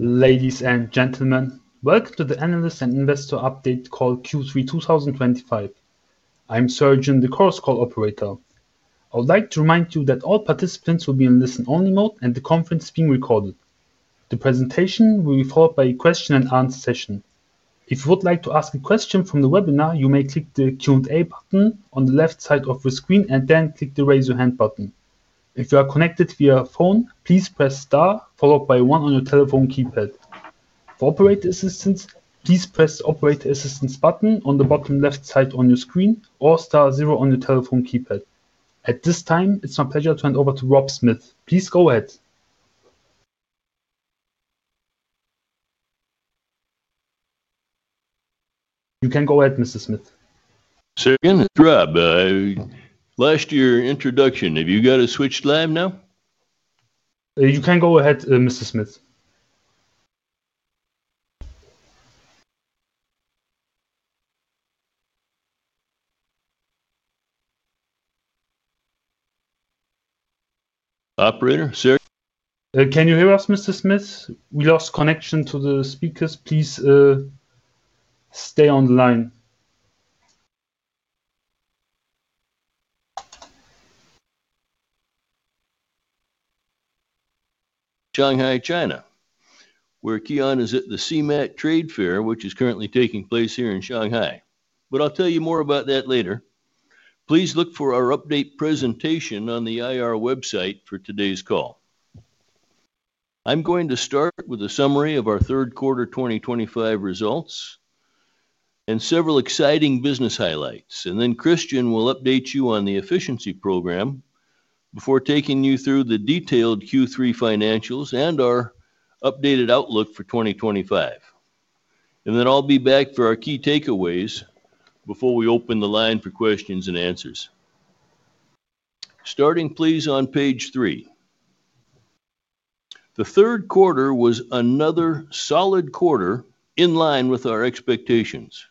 Ladies and gentlemen, welcome to the Analyst and Investor update call Q3 2025. I'm Sargin, the conference call operator. I would like to remind you that all participants will be in listen-only mode and the conference is being recorded. The presentation will be followed by a question and answer session. If you would like to ask a question from the webinar, you may click the Q&A button on the left side of the screen and then click the raise your hand button. If you are connected via phone, please press star followed by one on your telephone keypad. For operator assistance, please press the operator assistance button on the bottom left side of your screen or star zero on your telephone keypad. At this time, it's my pleasure to turn over to Rob Smith. Please go ahead. You can go at Mr. Smith. Second. Rob, last year introduction, have you got a switch lab now? You can go ahead, Mr. Smith. Operator. Sir. Can you hear us? Mr. Smith, we lost connection to the speakers. Please stay on the line. Shanghai, China, where KION is at the CeMAT Trade Fair, which is currently taking place here in Shanghai, but I'll tell you more about that later. Please look for our update presentation on the IR website for today's call. I'm going to start with a summary of our third quarter 2025 results and several exciting business highlights, and then Christian will update you on the Efficiency Program before taking you through the detailed Q3 financials and our updated outlook for 2025, and then I'll be back for our key takeaways before we open the line for questions and answers, starting please on page three. The third quarter was another solid quarter in line with our expectations.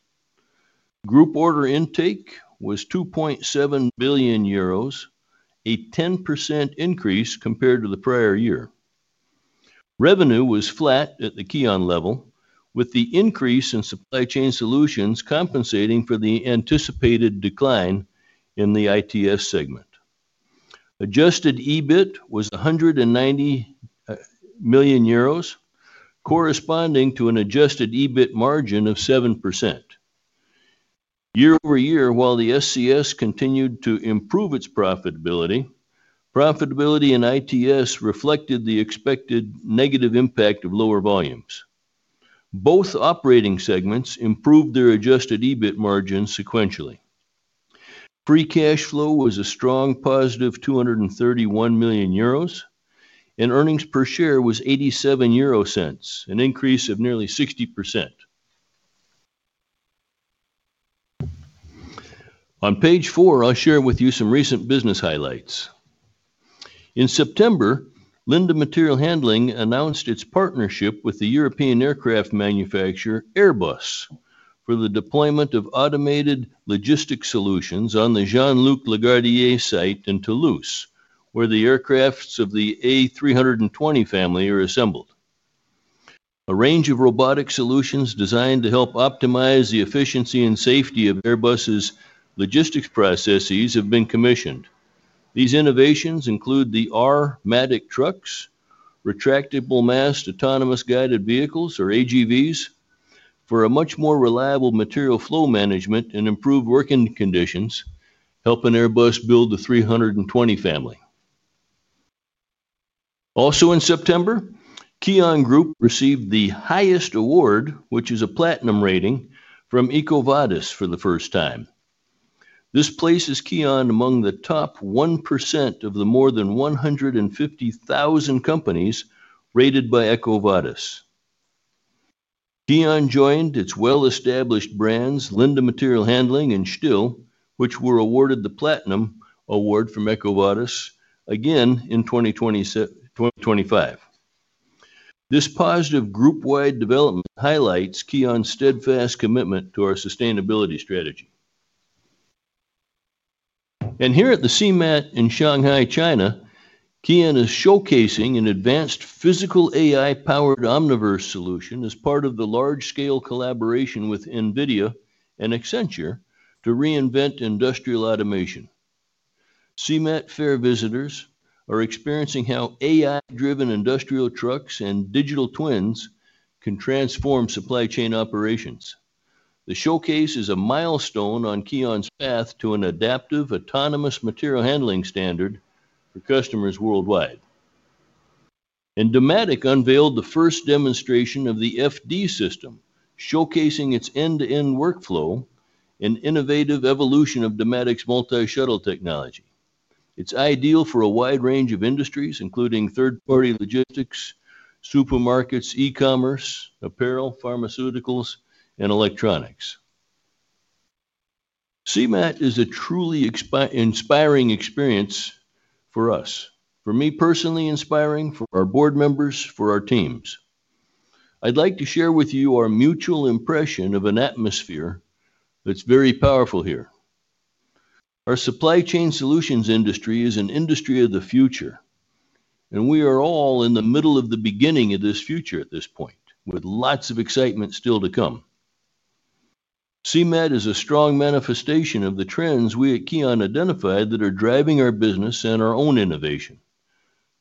Group order intake was 2.7 billion euros, a 10% increase compared to the prior year. Revenue was flat at the KION level, with the increase in supply chain solutions compensating for the anticipated decline in the ITS segment. Adjusted EBIT was 190 million euros, corresponding to an adjusted EBIT margin of 7% year-over-year. While the SCS continued to improve its profitability, profitability in ITS reflected the expected negative impact of lower volumes. Both operating segments improved their adjusted EBIT margin sequentially. Free cash flow was a strong positive, 231 million euros, and earnings per share was 0.87, an increase of nearly 60%. On page four, I'll share with you some recent business highlights. In September, Linde Material Handling announced its partnership with the European aircraft manufacturer Airbus for the deployment of automated logistics solutions on the Jean-Luc Lagardère site in Toulouse, where the aircraft of the A320 family are assembled. A range of robotic solutions designed to help optimize the efficiency and safety of Airbus logistics processes have been commissioned. These innovations include the R-Matic trucks, retractable mast, autonomous guided vehicles or AGVs for a much more reliable material flow management and improved working conditions, helping Airbus build the A320 family. Also in September, KION Group received the highest award, which is a Platinum rating from EcoVadis for the first time. This places KION among the top 1% of the more than 150,000 companies rated by EcoVadis. KION joined its well-established brands Linde Material Handling and STILL, which were awarded the Platinum award from EcoVadis again in 2025. This positive group wide development highlights KION's steadfast commitment to our sustainability strategy, and here at the CeMAT in Shanghai, China, KION is showcasing an advanced physical AI-powered Omniverse solution as part of the large-scale collaboration with NVIDIA and Accenture to reinvent industrial automation. CeMAT fair visitors are experiencing how AI-driven industrial trucks and digital twins can transform supply chain operations. The showcase is a milestone on KION's path to an adaptive autonomous material handling standard for customers worldwide. Dematic unveiled the first demonstration of the FD system, showcasing its end-to-end workflow and innovative evolution of Dematic's multi-shuttle technology. It's ideal for a wide range of industries including third-party logistics, supermarkets, e-commerce, apparel, pharmaceuticals, and electronics. CeMAT is a truly inspiring experience for us, for me personally, inspiring for our board members, for our teams. I'd like to share with you our mutual impression of an atmosphere that's very powerful here. Our supply chain solutions industry is an industry of the future, and we are all in the middle of the beginning of this future at this point, with lots of excitement still to come. CeMAT is a strong manifestation of the trends we at KION identified that are driving our business and our own innovation,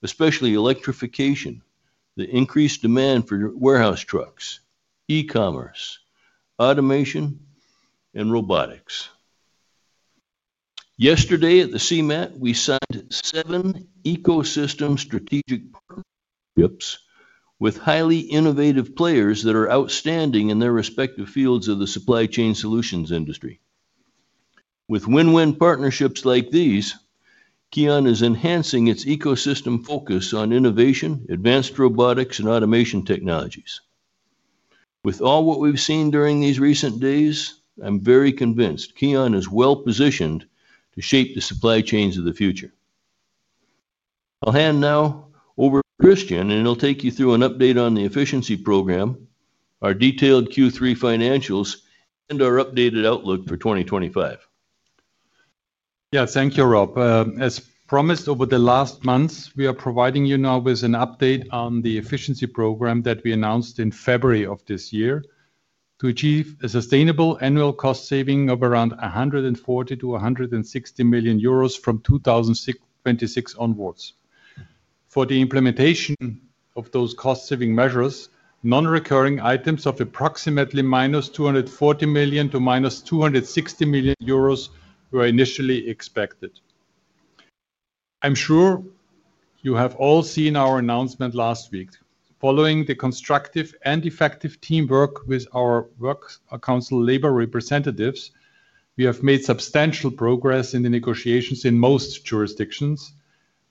especially electrification, the increased demand for warehouse trucks, e-commerce, automation, and robotics. Yesterday at the CeMAT we signed seven ecosystem strategic partnerships with highly innovative players that are outstanding in their respective fields of the supply chain solutions industry. With win-win partnerships like these, KION is enhancing its ecosystem focus on innovation, advanced robotics, and automation technologies. With all what we've seen during these recent days, I'm very convinced KION is well positioned to shape the supply chains of the future. I'll hand now over to Christian, and he'll take you through an update on the Efficiency Program, our detailed Q3 financials, and our updated outlook for 2025. Yeah, thank you, Rob. As promised over the last months, we are providing you now with an update on the Efficiency Program that we announced in February of this year to achieve a sustainable annual cost saving of around 140 million-160 million euros from 2026 onwards. For the implementation of those cost saving measures, non-recurring items of approximately 240 million-260 million euros were initially expected. I'm sure you have all seen our announcement last week. Following the constructive and effective teamwork with our Works Council labor representatives, we have made substantial progress in the negotiations in most jurisdictions,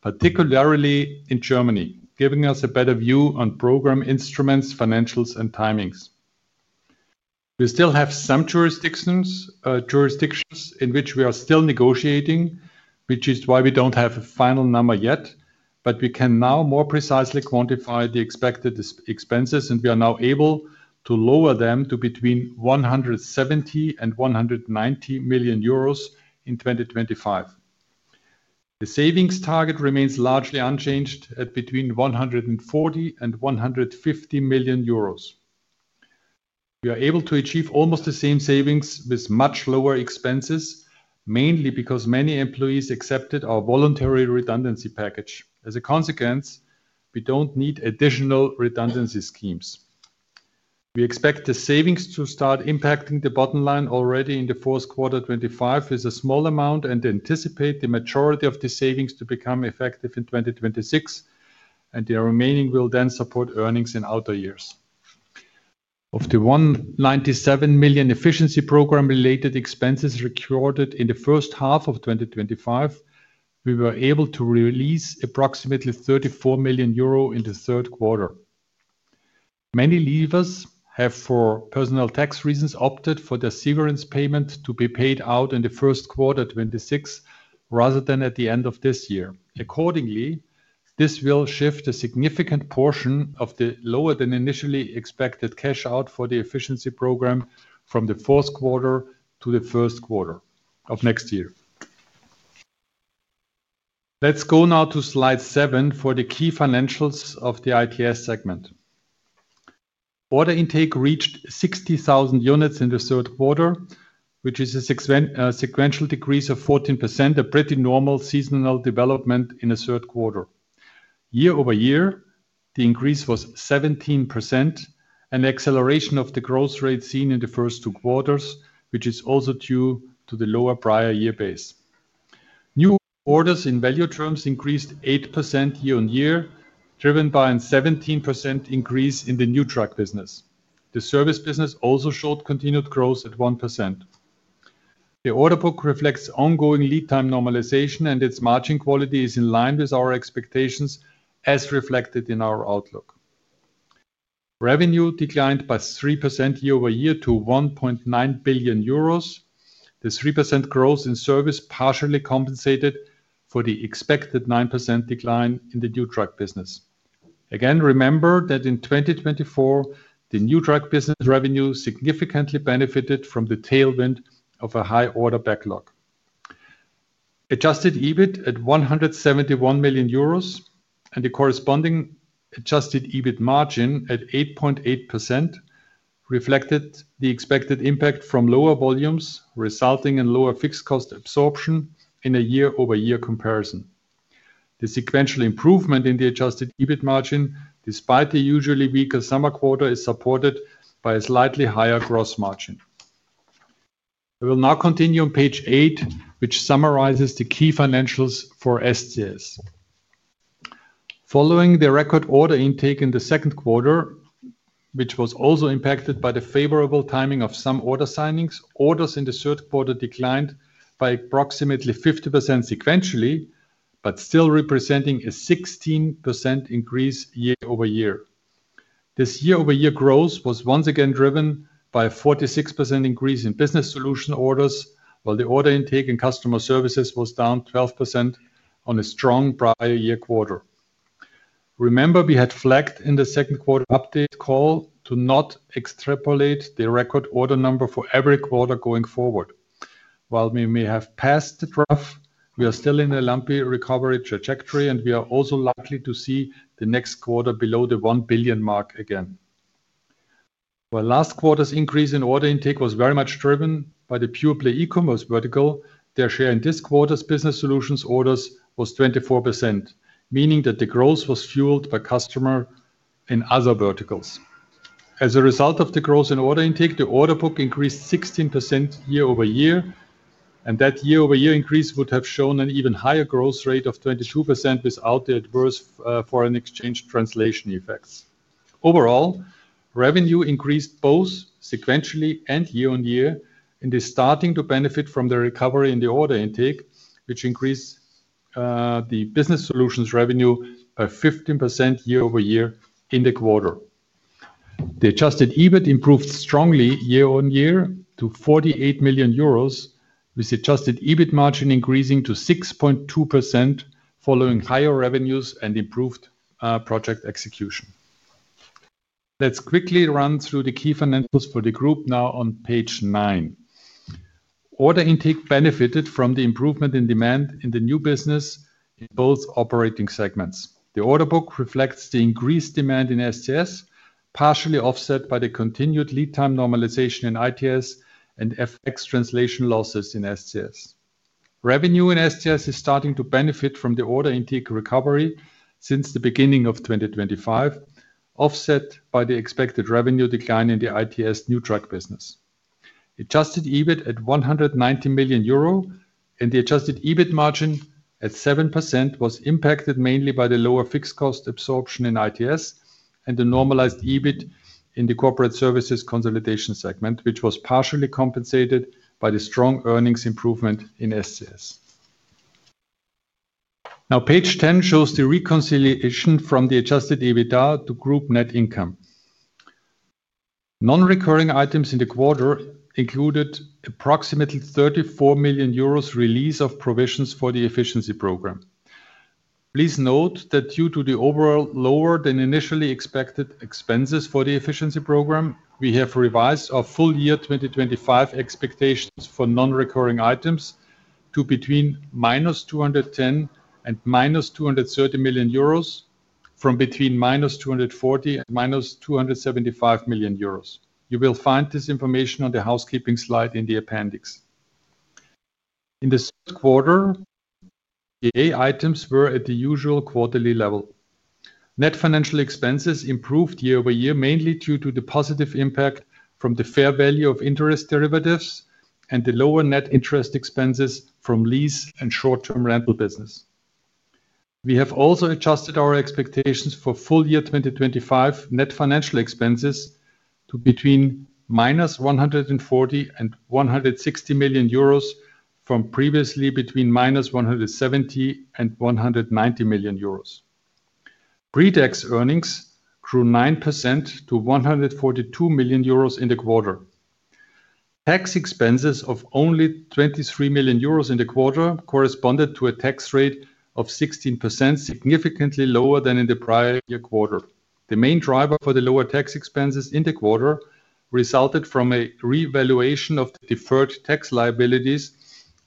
particularly in Germany, giving us a better view on program instruments, financials, and timings. We still have some jurisdictions in which we are still negotiating, which is why we don't have a final number yet. We can now more precisely quantify the expected expenses and we are now able to lower them to between 170 million and 190 million euros in 2025. The savings target remains largely unchanged at between 140 million and 150 million euros. We are able to achieve almost the same savings with much lower expenses, mainly because many employees accepted our voluntary redundancy package. As a consequence, we don't need additional redundancy schemes. We expect the savings to start impacting the bottom line already in fourth quarter 2025 in a small amount and anticipate the majority of the savings to be effective in 2026 and the remaining will then support earnings in outer years. Of the 197 million Efficiency Program related expenses recorded in the first half of 2025, we were able to release approximately 34 million euro in the third quarter. Many leavers have, for personal tax reasons, opted for the severance payment to be paid out in the first quarter 2026 rather than at the end of this year. Accordingly, this will shift a significant portion of the lower than initially expected cash out for the Efficiency Program from the fourth quarter to the first quarter of next year. Let's go now to slide seven for the key financials of the ITS segment. Order intake reached 60,000 units in the third quarter, which is a sequential decrease of 14%, a pretty normal seasonal development in the third quarter. Year-over-year, the increase was 17%, an acceleration of the growth rate seen in the first two quarters, which is also due to the lower prior year base. New orders in value terms increased 8% year-on-year, driven by a 17% increase in the new truck business. The service business also showed continued growth at 1%. The order book reflects ongoing lead time normalization, and its margin quality is in line with our expectations. As reflected in our outlook, revenue declined by 3% year-over-year to 1.9 billion euros. The 3% growth in service partially compensated for the expected 9% decline in the new truck business. Again, remember that in 2024 the new truck business revenue significantly benefited from the tailwind of a high order backlog. Adjusted EBIT at 171 million euros and the corresponding adjusted EBIT margin at 8.8% reflected the expected impact from lower volumes, resulting in lower fixed cost absorption in a year-over-year comparison. The sequential improvement in the adjusted EBIT margin, despite the usually weaker summer quarter, is supported by a slightly higher gross margin. I will now continue on page eight, which summarizes the key financials for SCS following the record order intake in the second quarter, which was also impacted by the favorable timing of some order signings. Orders in the third quarter declined by approximately 50% sequentially but still represented a 16% increase year-over-year. This year-over-year growth was once again driven by a 46% increase in business solution orders, while the order intake in customer services was down 12% on a strong prior year quarter. Remember, we had flagged in the second quarter update call to not extrapolate the record order number for every quarter going forward. While we may have passed the trough, we are still in a lumpy recovery trajectory, and we are also likely to see the next quarter below the 1 billion mark again. While last quarter's increase in order intake was very much driven by the pure play e-commerce vertical, their share in this quarter's business solutions orders was 24%, meaning that the growth was fueled by customers in other verticals. As a result of the growth in order intake, the order book increased 16% year-over-year, and that year-over-year increase would have shown an even higher growth rate of 22% without the adverse foreign exchange translation effects. Overall, revenue increased both sequentially and year on year and is starting to benefit from the recovery in the order intake, which increased the business solutions revenue by 15% year-over-year in the quarter. The adjusted EBIT improved strongly year on year to 48 million euros, with adjusted EBIT margin increasing to 6.2% following higher revenues and improved project execution. Let's quickly run through the key financials for the group now on page nine. Order intake benefited from the improvement in demand in the new business in both operating segments. The order book reflects the increased demand in SCS, partially offset by the continued lead time normalization in ITS and FX translation losses in SCS. Revenue in SCS is starting to benefit from the order intake recovery since the beginning of 2025, offset by the expected revenue decline in the ITS new truck business. Adjusted EBIT at 190 million euro and the adjusted EBIT margin at 7% was impacted mainly by the lower fixed cost absorption in ITS, the normalized EBIT in the corporate services consolidation segment, which was partially compensated by the strong earnings improvement in SCS. Now, page 10 shows the reconciliation from the adjusted EBITDA to Group Net Income. Non-recurring items in the quarter included approximately 34 million euros release of provisions for the Efficiency Program. Please note that due to the overall lower than initially expected expenses for the Efficiency Program, we have revised our full year 2025 expectations for non-recurring items to between -210 million and -230 million euros from between -240 million and -275 million euros. You will find this information on the housekeeping slide in the appendix. In the third quarter, EA items were at the usual quarterly level. Net financial expenses improved year-over-year mainly due to the positive impact from the fair value of interest derivatives and the lower net interest expenses from lease and short-term rental business. We have also adjusted our expectations for full year 2025 net financial expenses to between -140 million and -160 million euros from previously between -170 million and -190 million euros. Pre-tax earnings grew 9% to 142 million euros in the quarter. Tax expenses of only 23 million euros in the quarter corresponded to a tax rate of 16%, significantly lower than in the prior year quarter. The main driver for the lower tax expenses in the quarter resulted from a revaluation of the deferred tax liabilities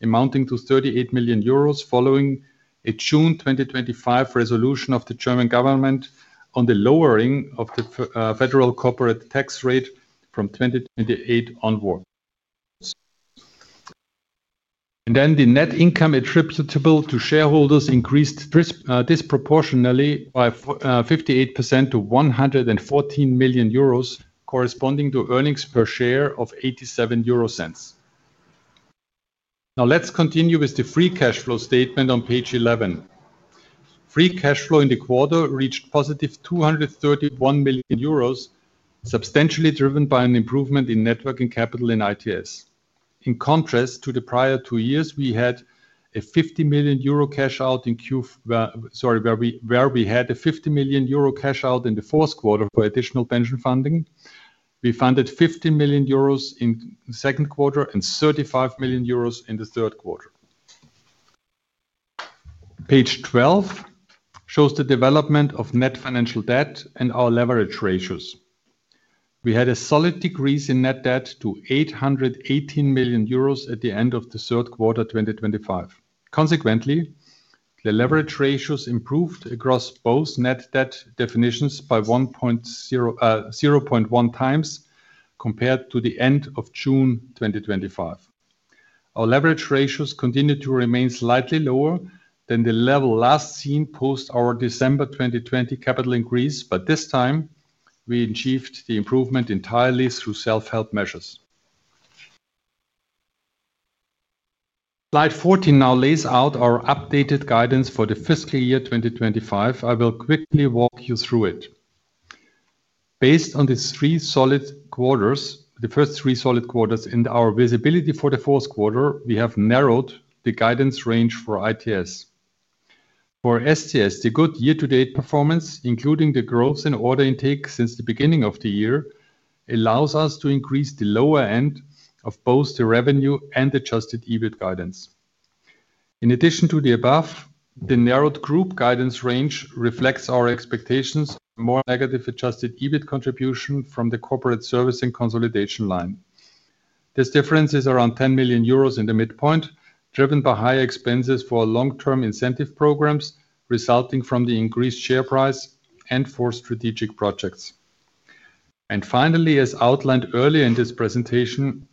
amounting to 38 million euros following a June 2025 resolution of the German government on the lowering of the federal corporate tax rate from 2028 onwards. The net income attributable to shareholders increased disproportionately by 58% to 114 million euros, corresponding to earnings per share of 0.87. Now let's continue with the free cash flow statement on page 11. Free cash flow in the quarter reached positive 231 million euros, substantially driven by an improvement in net working capital. In contrast to the prior two years, we had a 50 million euro cash out in the fourth quarter. For additional pension funding, we funded 15 million euros in the second quarter and 35 million euros in the third quarter. Page 12 shows the development of net financial debt and our leverage ratios. We had a solid decrease in net debt to 818 million euros at the end of the third quarter 2025. Consequently, the leverage ratios improved across both net debt definitions by 0.1x compared to the end of June 2025. Our leverage ratios continue to remain slightly lower than the level last seen post our December 2020 capital increase. This time we achieved the improvement entirely through self-help measures. Slide 14 now lays out our updated guidance for the fiscal year 2025. I will quickly walk you through it. Based on these three solid quarters, the first three solid quarters and our visibility for the fourth quarter, we have narrowed the guidance range for ITS, for SCS. The good year-to-date performance, including the growth in order intake since the beginning of the year, allows us to increase the lower end of both the revenue and adjusted EBIT guidance. In addition to the above, the narrowed group guidance range reflects our expectations of more negative adjusted EBIT contribution from the corporate servicing consolidation line. This difference is around 10 million euros in the midpoint, driven by higher expenses for long-term incentive programs resulting from the increased share price and for strategic projects. Finally, as outlined earlier in this presentation,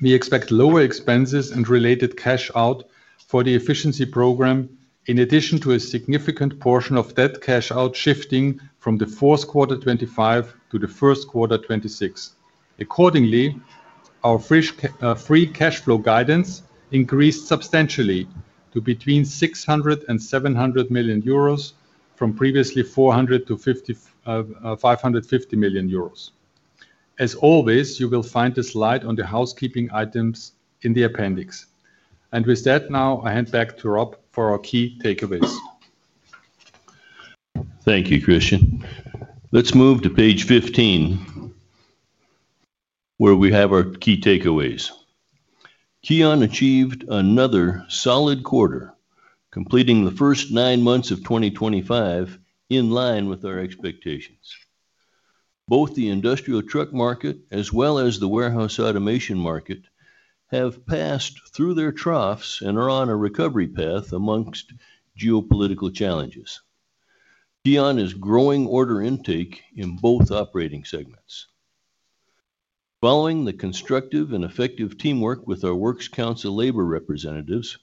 we expect lower expenses and related cash out for the Efficiency Program in addition to a significant portion of debt cash out shifting from the fourth quarter 2025 to the first quarter 2026. Accordingly, our free cash flow guidance increased substantially to between 600 million euros and 700 million euros from previously 400 million to 550 million euros. As always, you will find a slide on the housekeeping items in the appendix. With that, now I hand back to Rob for our key takeaways. Thank you, Christian. Let's move to page 15 where we have our key takeaways. KION achieved another solid quarter, completing the first nine months of 2025 in line with our expectations. Both the industrial truck market as well as the warehouse automation market have passed through their troughs and are on a recovery path. Amongst geopolitical challenges, KION is growing order intake in both operating segments. Following the constructive and effective teamwork with our Works Council labor representatives,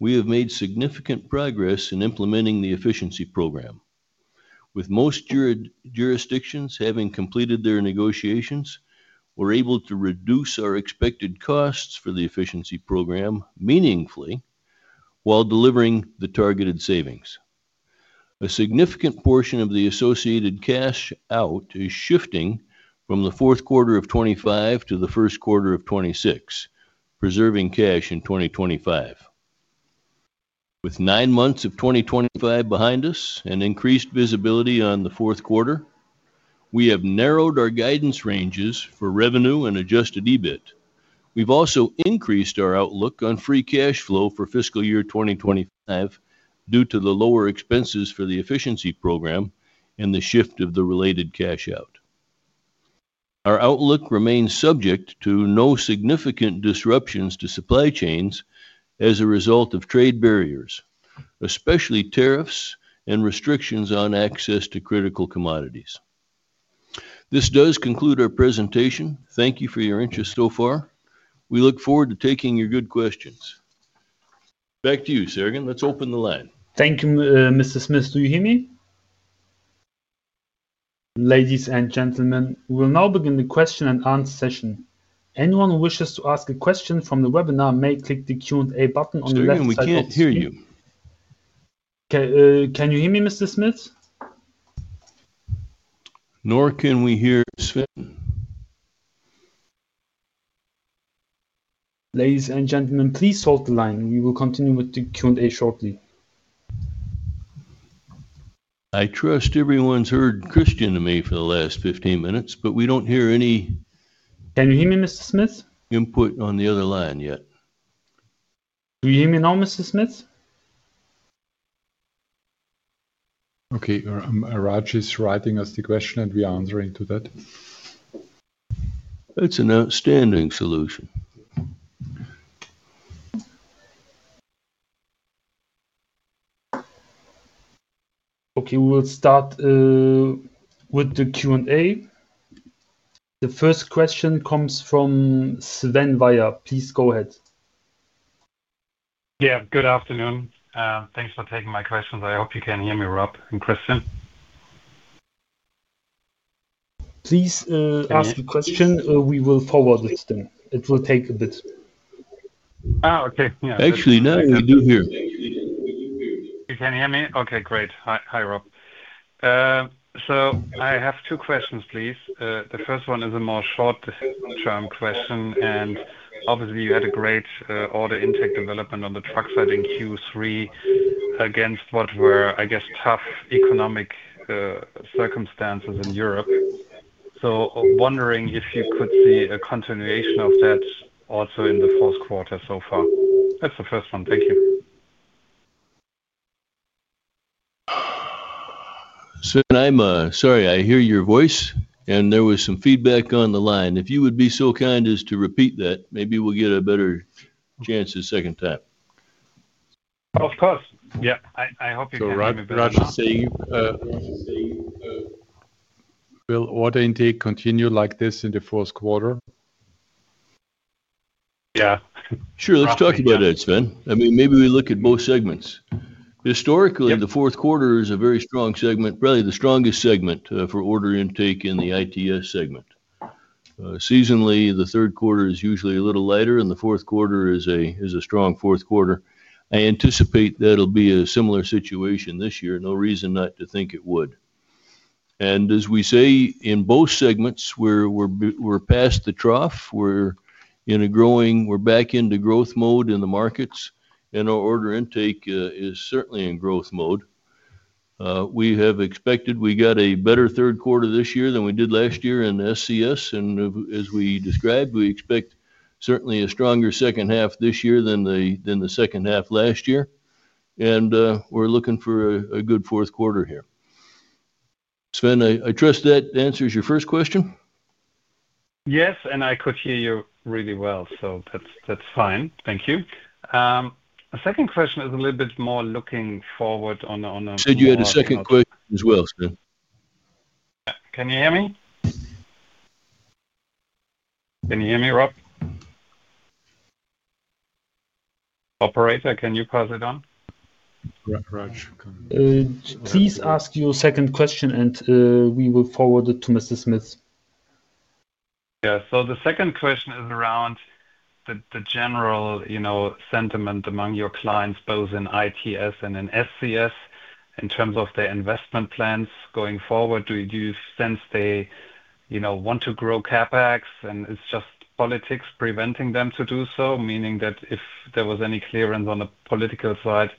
we have made significant progress in implementing the Efficiency Program, with most jurisdictions having completed their negotiations. We were able to reduce our expected costs for the Efficiency Program meaningfully while delivering the targeted savings. A significant portion of the associated cash out is shifting from fourth quarter 2025 to first quarter 2026, preserving cash in 2025. With nine months of 2025 behind us and increased visibility on the fourth quarter, we have narrowed our guidance ranges for revenue and adjusted EBIT. We've also increased our outlook on free cash flow for fiscal year 2025. Due to the lower expenses for the Efficiency Program and the shift of the related cash out, our outlook remains subject to no significant disruptions to supply chains as a result of trade barriers, especially tariffs and restrictions on access to critical commodities. This does conclude our presentation. Thank you for your interest so far. We look forward to taking your good questions. Back to you, Sergey. Let's open the line. Thank you, Mr. Smith. Do you hear me? Ladies and gentlemen, we will now begin the question and answer session. Anyone who wishes to ask a question from the webinar may click the Q&A button on the webinar. Sergeant, we can't hear you. Can you hear me, Mr. Smith? Now can we hear Sergeant. Ladies and gentlemen, please hold the line. We will continue with the Q and A shortly. I trust everyone's heard Christian Harm for the last 15 minutes, but we don't hear any. Can you hear me, Mr. Smith? Input on the other line yet? Do you hear me now, Mr. Smith? Okay, Raj is writing us the question. We are answering to that. It's an outstanding solution. Okay, we'll start with the Q&A. The first question comes from Sven Vaga. Please go ahead. Good afternoon. Thanks for taking my questions. I hope you can hear me, Rob and Christian. Please ask the question. We will forward it. It will take a bit. Oh, okay. Actually, now you do hear. You can hear me. Okay, great. Hi, Rob. I have two questions, please. The first one is a more short term question, and obviously you had a great order intake development on the truck side in Q3 against what were, I guess, tough economic circumstances in Europe. I am wondering if you could see a continuation of that also in the fourth quarter so far. That's the first one. Thank you. Sir. I'm sorry, I hear your voice, and there was some feedback on the line. If you would be so kind as to repeat that, maybe we'll get a better chance a second time. Of course, yeah. I hope you. Will order intake continue? Like this in the fourth quarter. Yeah, sure. Let's talk about that, Sven. I mean, maybe we look at both segments historically. The fourth quarter is a very strong segment, probably the strongest segment for order intake in the ITS segment seasonally. The third quarter is usually a little lighter, and the fourth quarter is a strong fourth quarter. I anticipate that'll be a similar situation this year. No reason not to think it would. As we say in both segments, we're past the trough, we're in a growing. We're back into growth mode in the markets, and our order intake is certainly in growth mode. We have expected we got a better third quarter this year than we did last year in SCS. As we described, we expect certainly a stronger second half this year than the second half last year, and we're looking for a good fourth quarter here. Sven, I trust that answers your first question. Yes, I could hear you really well, so that's fine. Thank you. The second question is a little bit more looking forward on. Said you had a second question as well. Can you hear me? Can you hear me, Rob? Operator, can you pass it on? Please ask your second question and we will forward it to Mr. Smith. The second question is around the general sentiment among your clients, both in ITS and in SCS, in terms of their investment plans going forward. Do you sense they want to grow CapEx and it's just politics preventing them to do so? Meaning that if there was any clearance on the political side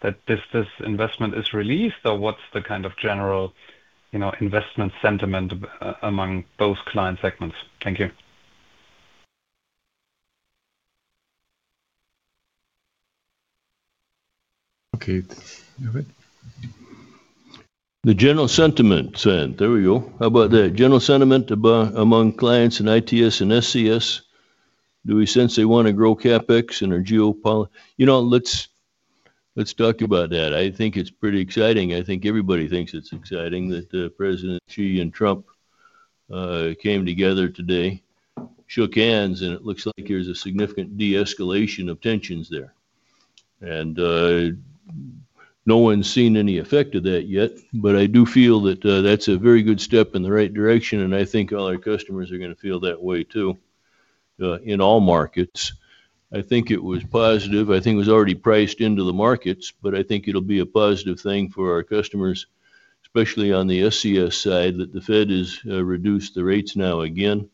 that this investment is released, or what's the kind of general investment sentiment among those client segments? Thank you. The general sentiment among clients in ITS and SCS, do we sense they want to grow CapEx in our geopolitics? You know, let's talk about that. I think it's pretty exciting. I think everybody thinks it's exciting that President Xi and Trump came together today, shook hands, and it looks like there's a significant de-escalation of tensions there. No one's seen any effect of that yet, but I do feel that that's a very good step in the right direction. I think all our customers are going to feel that way too, in all markets. I think it was positive. I think it was already priced into the markets, but I think it'll be a positive thing for our customers, especially on the SCS side, that the Fed has reduced the rates now again.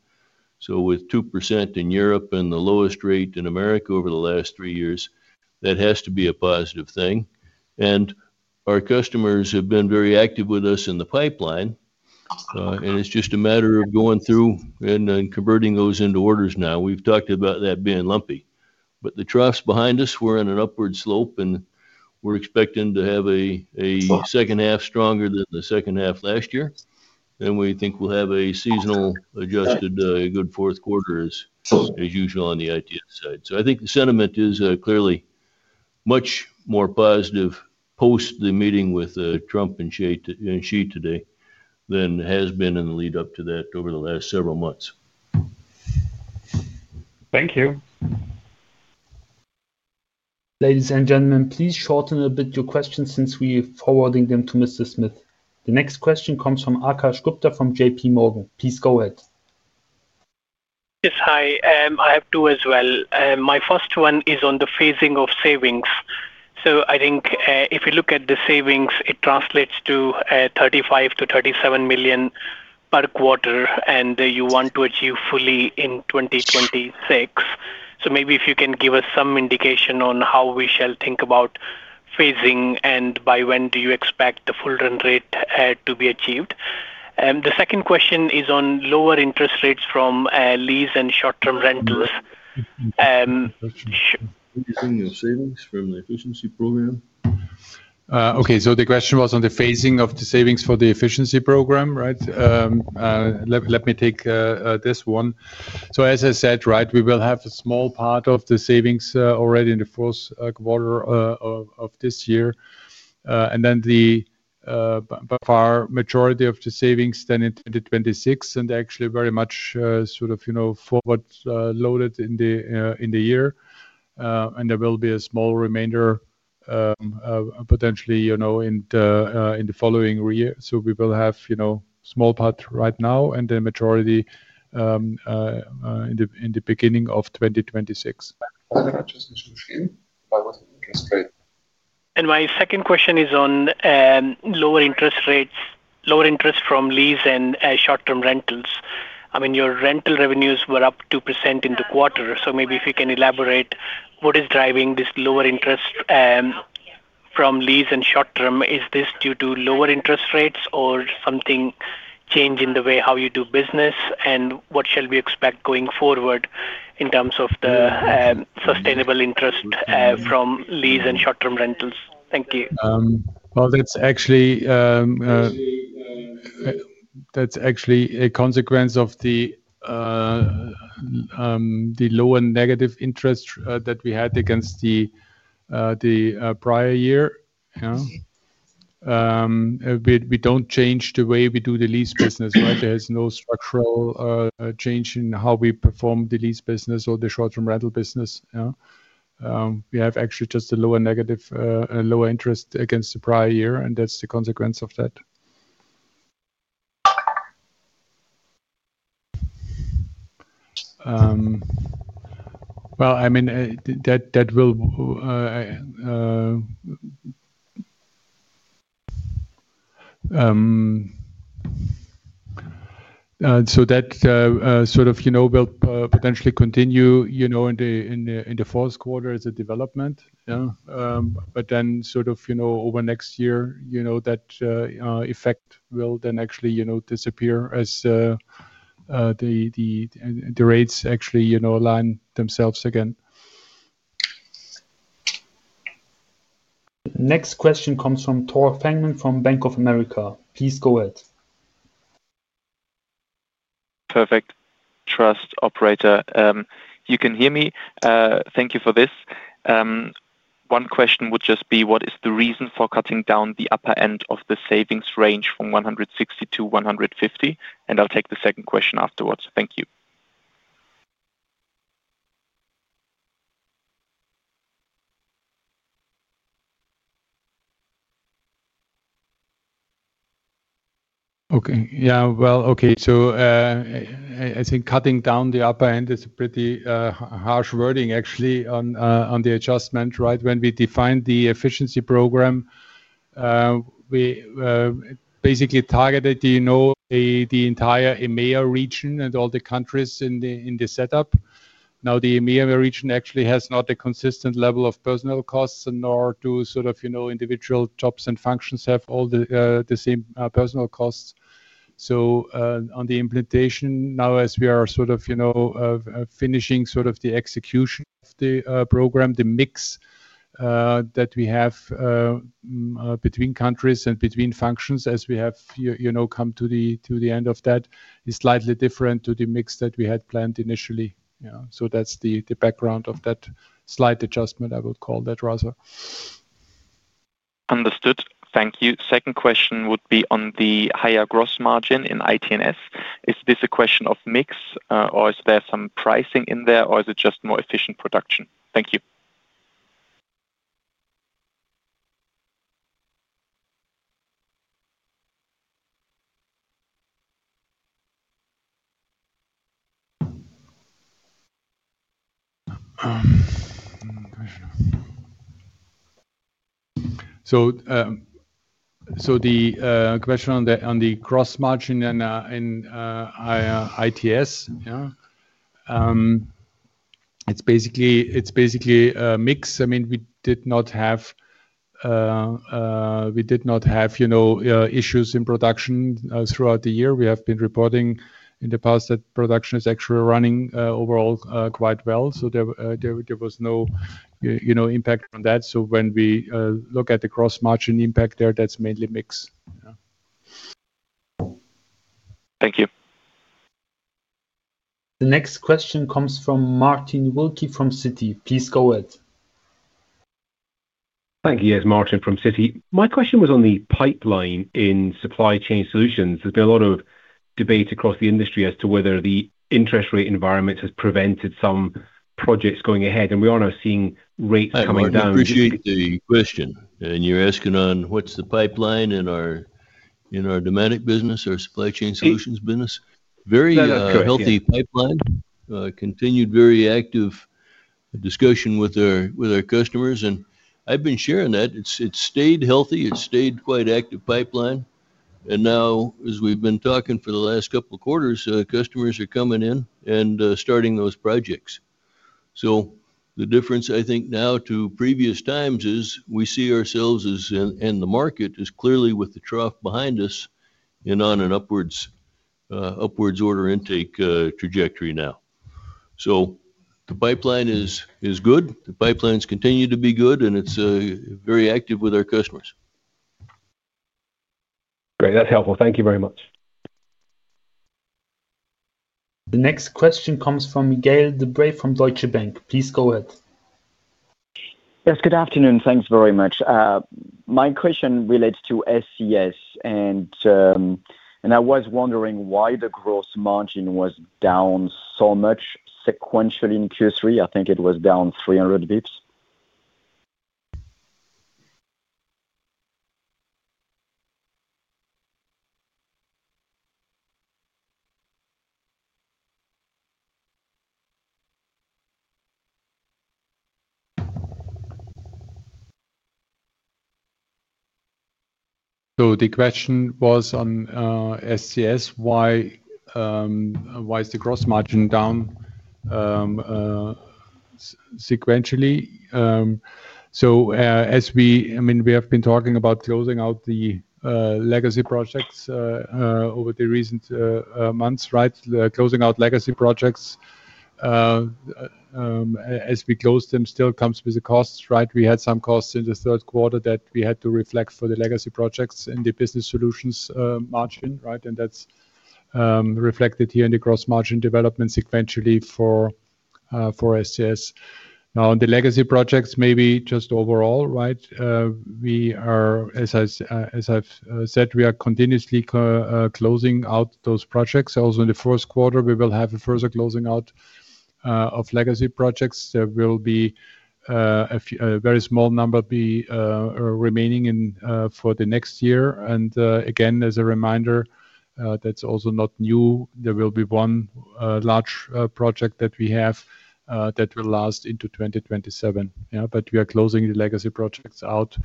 With 2% in Europe and the lowest rate in America over the last three years, that has to be a positive thing. Our customers have been very active with us in the pipeline, and it's just a matter of going through and converting those into orders. We've talked about that being lumpy, but the trough's behind us, we're in an upward slope, and we're expecting to have a second half stronger than the second half last year. We think we'll have a seasonally adjusted, good fourth quarter as usual on the ITS side. I think the sentiment is clearly much more positive post the meeting with Trump and Xi today than has been in the lead up to that over the last several months. Thank you. Ladies and gentlemen, please shorten a bit your questions since we are forwarding them to Mr. Smith. The next question comes from Akash Gupta from JPMorgan. Please go ahead. Yes, hi. I have two as well. My first one is on the phasing of savings. If you look at the savings, it translates to 35 million-37 million per quarter and you want to achieve fully in 2026. Maybe if you can give us some indication on how we shall think about phasing and by when do you expect the full run rate to be achieved? The second question is on lower interest rates from lease and short term rentals. From the Efficiency Program. Okay, so the question was on the phasing of the savings for the Efficiency Program. Right, let me take this one. As I said, we will have a small part of the savings already in the fourth quarter of this year, and then the far majority of the savings in 2026, actually very much forward loaded in the year. There will be a small remainder potentially in the following year. We will have a small part right now and the majority in the beginning of 2026. My second question is on lower interest rates, lower interest from lease and short term rentals. Your rental revenues were up 2% in the quarter. Maybe if you can elaborate, what is driving this lower interest from lease and short term? Is this due to lower interest rates or did something change in the way you do? What shall we expect going forward in terms of the sustainable interest from lease and short term rentals? Thank you. That's actually. That's actually a consequence of the low and negative interest that we had against the prior year. We don't change the way we do the lease business. There is no structural change in how we perform the lease business or the short term rental business. We have actually just a lower, negative, lower interest against the prior year, and that's the consequence of that. I mean, that will potentially continue in the fourth quarter as a development, but then over next year, that effect will then actually disappear as the rates actually align themselves again. Next question comes from Tore Fengmann from Bank of America.Please go ahead. Perfect. Trust. Operator, you can hear me. Thank you for this. One question would just be what is the reason for cutting down the upper end of the savings range from 160 million-150 million? I'll take the second question afterwards. Thank you. Okay. I think cutting down the upper end is pretty harsh wording actually on the adjustment. Right. When we defined the Efficiency Program, we basically targeted the entire EMEA region and all the countries in the setup. Now the EMEA region actually does not have a consistent level of personnel costs, nor do individual jobs and functions have all the same personnel costs. On the implementation now, as we are finishing the execution of the program, the mix that we have between countries and between functions as we have come to the end of that is slightly different to the mix that we had planned initially. That's the background of that slight adjustment. I would call that rather. Understood. Thank you. Second question would be on the higher gross margin in ITS. Is this a question of mix or is there some pricing in there or is it just more efficient production? Thank you. The question on the gross margin in ITS. It's basically a mix. I mean, we did not have issues in production throughout the year. We have been reporting in the past that production is actually running overall quite well. There was no impact on that. When we look at the gross margin impact there, that's mainly mix. Thank you. The next question comes from Martin Wilkie from Citi. Please go ahead. Thank you. Yes, Martin from Citi. My question was on the pipeline in supply chain solutions. There's been a lot of debate across the industry as to whether the interest rate environment has prevented some projects going ahead and we are now seeing rates coming down. Appreciate the question. You're asking on what's the pipeline in our Dematic business, our supply chain solutions business, very healthy pipeline, continued very active discussion with our customers and I've been sharing that it stayed healthy, it stayed quite active pipeline. Now as we've been talking for the last couple quarters, customers are coming in and starting those projects. The difference I think now to previous times is we see ourselves as in the market is clearly with the trough behind us and on an upwards order intake trajectory now. The pipeline is good, the pipelines continue to be good and it's very active with our customers. Great, that's helpful. Thank you very much. The next question comes from Gael de Bray from Deutsche Bank. Please go ahead. Yes, good afternoon. Thanks very much. My question relates to SCS and I was wondering why the gross margin was down so much sequentially in Q3. I think it was down 300 basis points. The question was on ITS, why. Is the gross margin down? We have been talking about closing out the legacy projects over the recent months, right? Closing out legacy projects as we close them still comes with the costs. Right? We had some costs in the third quarter that we had to reflect for the legacy projects in the business solutions margin. That's reflected here in the gross margin development sequentially for SCS. Now on the legacy projects, maybe just overall, we are, as I've said, continuously closing out those projects. Also, in the first quarter we will have a further closing out of legacy projects. There will be a very small number remaining for the next year. As a reminder, that's also not new. There will be one large project that we have that will last into 2027. We are closing the legacy projects out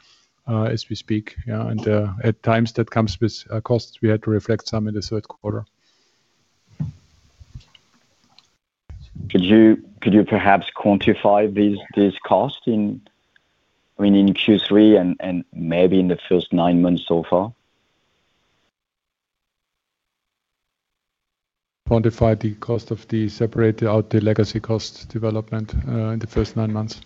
as we speak. At times that comes with costs. We had to reflect some in the third quarter. Could you perhaps quantify this cost in Q3 and maybe in the first nine. Months so far. Quantify the cost of the separate out the legacy cost development in the first nine months?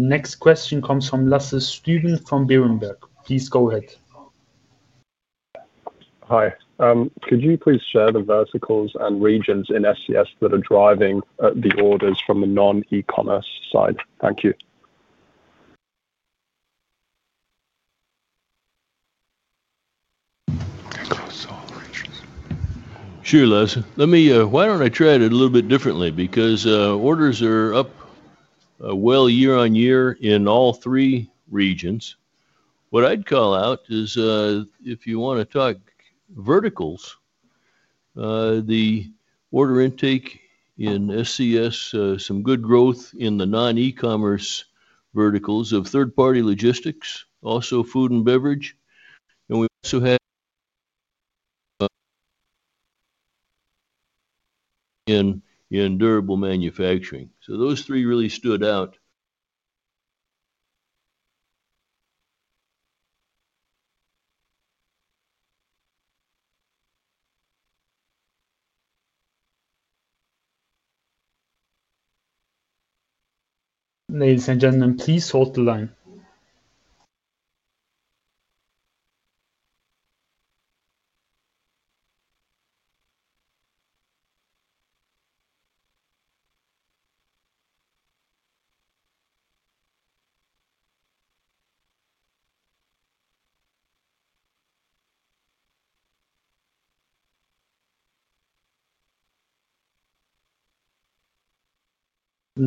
Next question comes from Lasse Stüben from Berenberg. Please go ahead. Hi. Could you please share the verticals and regions in SCS that are driving the orders from the non e-commerce side? Thank you. Sure. Let me try it a little bit differently because orders are up year on year in all three regions. What I'd call out is if you want to talk verticals, the order intake in SCS shows some good growth in the non-e-commerce verticals of third-party logistics, also food and beverage, and we also have in durable manufacturing. Those three really stood out.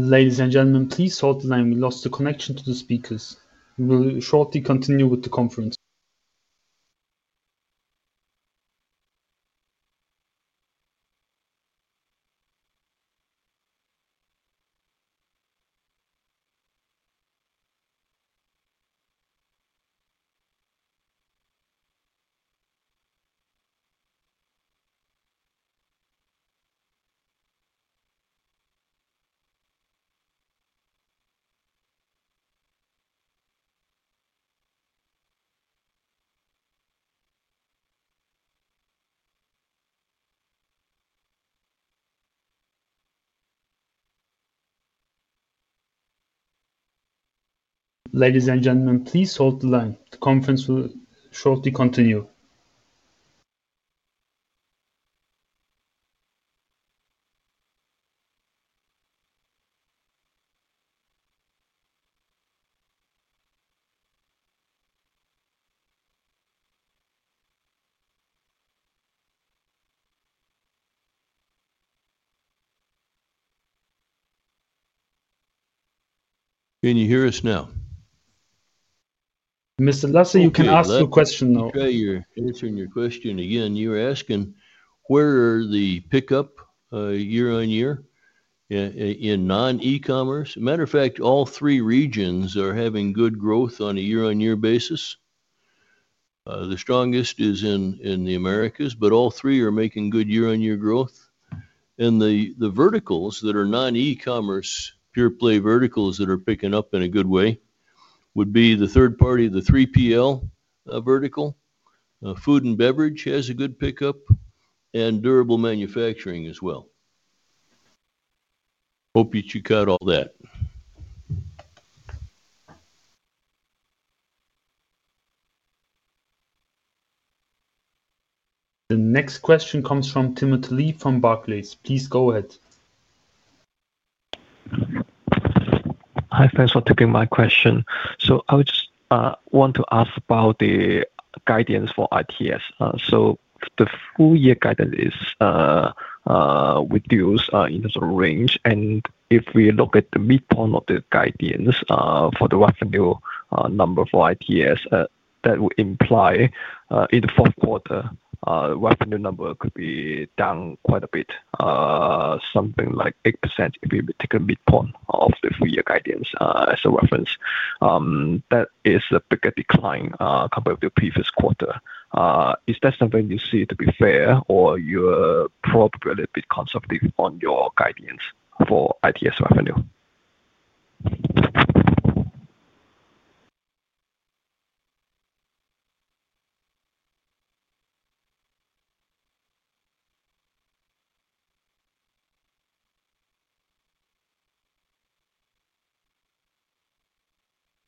Ladies and gentlemen, please hold the line. We lost the connection to the speakers. We will shortly continue with the conference. The conference will shortly continue. Can you hear us now? Mr. Lasse, you can ask a question. Now you're answering your question again. You were asking where are the pickup year on year in non e-commerce? Matter of fact, all three regions are having good growth on a year on year basis. The strongest is in the Americas. All three are making good year on year growth. The verticals that are non e-commerce pure play verticals that are picking up in a good way would be the third party. The three plus vertical food and beverage has a good pickup and durable manufacturing as well, hope that you got all that. The next question comes from Timothy Lee from Barclays.Please go ahead. Hi, thanks for taking my question. I would just want to ask about the guidance for ITS. The full year guidance is reduced in range, and if we look at the midpoint of the guidance for the revenue number for ITS, that would imply in the fourth quarter revenue number could be down quite a bit, something like 8%. If we take a midpoint of the full year guidance as a reference, that is a bigger decline compared to previous quarter. Is that something you see to be fair or you're probably a little bit conservative on your guidance for ITS revenue.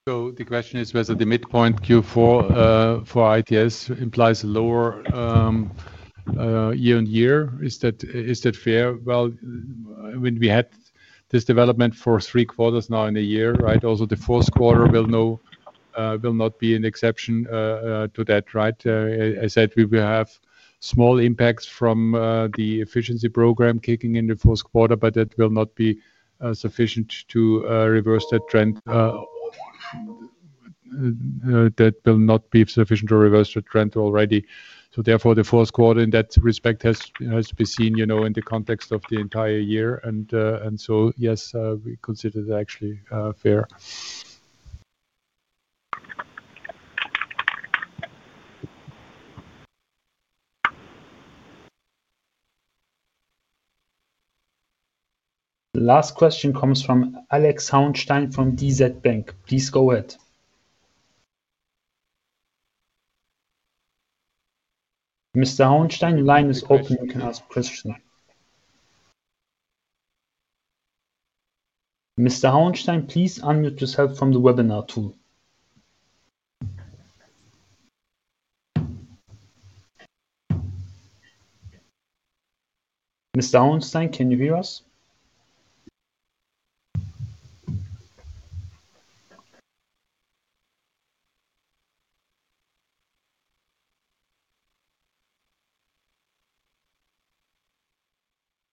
The question is whether the midpoint Q4 for ITS implies lower year on year. Is that fair? We had this development for three quarters now in a year, right? The fourth quarter will not be an exception to that, right? I said we will have small impacts from the Efficiency program kicking in the fourth quarter, but that will not be sufficient to reverse that trend. That will not be sufficient to reverse the trend already. Therefore, the fourth quarter in that respect has to be seen, you know, in the context of the entire year. Yes, we consider that actually fair. The last question comes from Alex Hauenstein from DZ Bank. Please go ahead. Mr. Hauenstein, your line is open. You can ask questions. Mr. Hauenstein, please unmute yourself from the webinar tool. Mr. Hauenstein, can you hear us?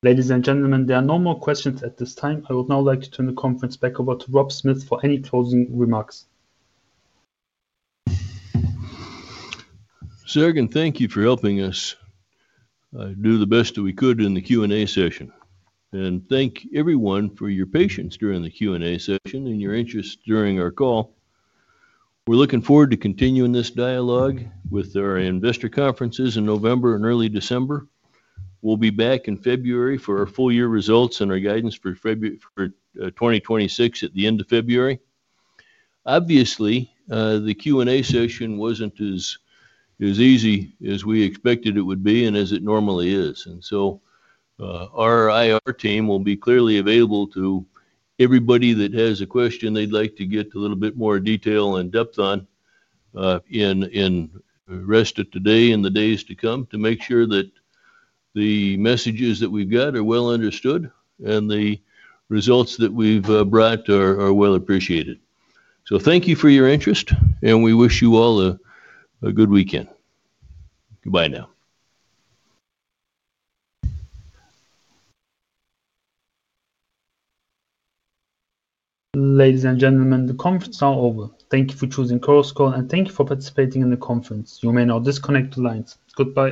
Ladies and gentlemen, there are no more questions at this time. I would now like to turn the conference back over to Rob Smith for any closing remarks. Sargan, thank you for helping us do the best that we could in the Q&A session, and thank everyone for your patience during the Q&A session and your interest during our call. We're looking forward to continuing this dialogue with our investor conferences in November and early December. We'll be back in February for our full year results and our guidance for 2026 at the end of February. Obviously, the Q&A session wasn't as easy as we expected it would be and as it normally is. Our IR team will be clearly available to everybody that has a question they'd like to get a little bit more detail in depth on in rest of today and the days to come to make sure that the messages that we've got are well understood and the results that we've brought are well appreciated. Thank you for your interest and we wish you all a good weekend. Goodbye now. Ladies and gentlemen, the conference is now over. Thank you for choosing KION Group and thank you for participating in the conference. You may now disconnect the lines. Goodbye.